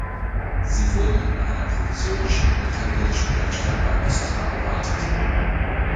Sie wurden in einer provisorischen unterirdischen Werkstatt bei Mostra gewartet.